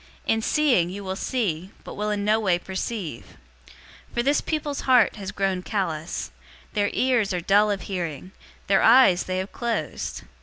In seeing, you will see, but will in no way perceive. 028:027 For this people's heart has grown callous. Their ears are dull of hearing. Their eyes they have closed.